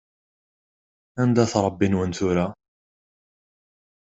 Anda-t Ṛebbi-nwen tura?